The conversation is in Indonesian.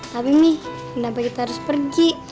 tapi nih kenapa kita harus pergi